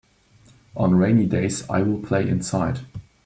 On rainy days I will play inside.